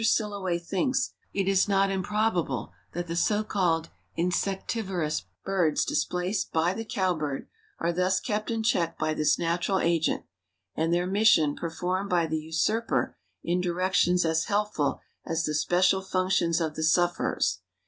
Silloway thinks "it is not improbable that the so called insectivorous birds displaced by the cowbird are thus kept in check by this natural agent, and their mission performed by the usurper in directions as helpful as the special functions of the sufferers.